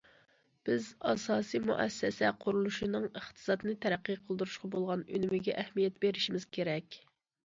بىز، ئاساسىي مۇئەسسەسە قۇرۇلۇشىنىڭ ئىقتىسادنى تەرەققىي قىلدۇرۇشقا بولغان ئۈنۈمىگە ئەھمىيەت بېرىشىمىز كېرەك.